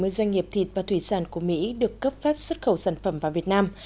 sáu trăm bảy mươi doanh nghiệp thịt và thủy sản của mỹ được cấp phép xuất khẩu sản phẩm vào việt nam